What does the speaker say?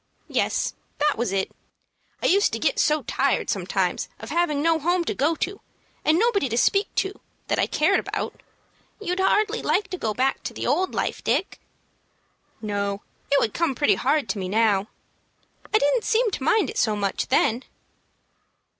"Yes, that was it. I used to get so tired sometimes of having no home to go to, and nobody to speak to that I cared about." "You'd hardly like to go back to the old life, Dick?" "No, it would come pretty hard to me now. I didn't seem to mind it so much then."